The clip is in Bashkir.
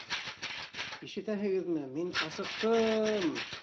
Ишетәһегеҙме, мин асыҡты-ым!